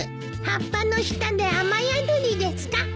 葉っぱの下で雨宿りですか？